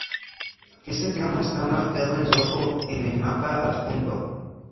Este tramo está marcado en rojo en el mapa adjunto.